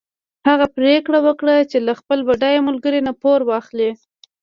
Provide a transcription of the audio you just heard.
هغه پرېکړه وکړه چې له خپل بډای ملګري نه پور واخلي.